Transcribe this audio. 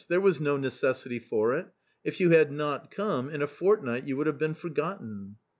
there was no necessity for it ; if you had not come, in a fortnight you would have been forgotten."